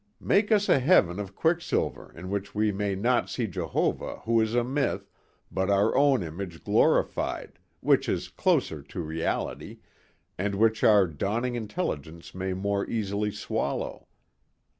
Make us a Heaven of quicksilver in which we may see not Jehovah who is a myth but our own image glorified, which is closer to reality, and which our dawning intelligence may more easily swallow.